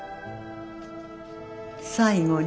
最後に。